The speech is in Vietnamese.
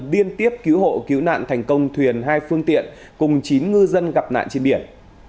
liên tiếp cứu hộ cứu nạn thành công thuyền hai phương tiện cùng chín ngư dân gặp nạn trên biển